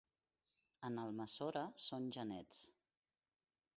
En Almassora són genets.